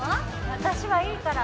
私はいいから。